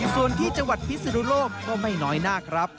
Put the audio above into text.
ส่วนที่จังหวัดพิศนุโลกก็ไม่น้อยหน้าครับ